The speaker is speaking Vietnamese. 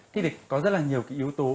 thế thì có rất là nhiều cái yếu tố